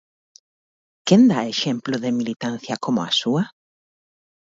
Quen dá exemplo de militancia como a súa?